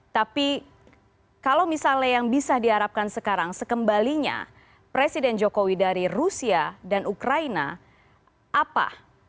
tapi kalau misalnya yang bisa diharapkan sekarang sekembalinya presiden jokowi dari rusia dan ukraina apa